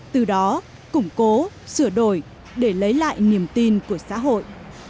từ đó củng cố sửa đổi để lấy lại niềm tin của xã hội